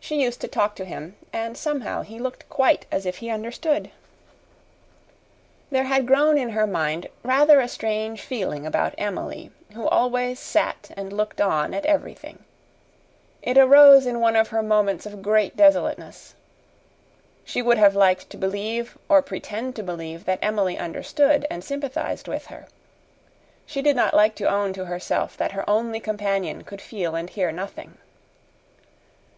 She used to talk to him, and, somehow, he looked quite as if he understood. There had grown in her mind rather a strange feeling about Emily, who always sat and looked on at everything. It arose in one of her moments of great desolateness. She would have liked to believe or pretend to believe that Emily understood and sympathized with her. She did not like to own to herself that her only companion could feel and hear nothing.